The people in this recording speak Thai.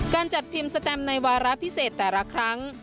การจัดพิมพ์สแตมในวาระพิเศษแต่ละครั้ง